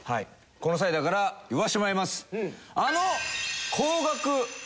この際だから言わせてもらいます。